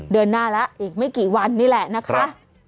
เดือนหน้าแล้วอีกไม่กี่วันนี่แหละนะคะ